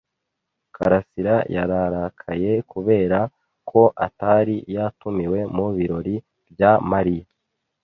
karasira yararakaye kubera ko atari yatumiwe mu birori bya Mariya.